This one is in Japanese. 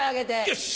よし！